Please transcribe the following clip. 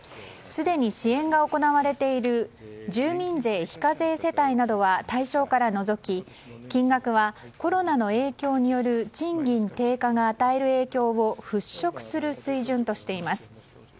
すでに支援が行われている住民税非課税世帯などは対象から除き金額はコロナの影響による賃金低下が与える影響を払拭する水準としています。